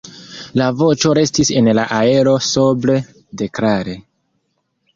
La voĉo restis en la aero sobre, deklare.